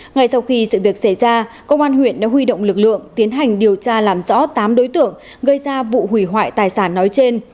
ngay sau khi sự việc xảy ra công an huyện đã huy động lực lượng tiến hành điều tra làm rõ tám đối tượng gây ra vụ hủy hoại tài sản nói trên